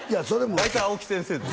大体「青木先生」です